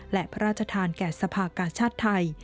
และพระราชทานแก่สภากาชาติไทย